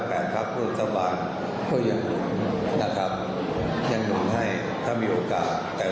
ครับรัฐสภาก็ยังหนุ่มนะครับยังหนุ่มให้ถ้ามีโอกาสแต่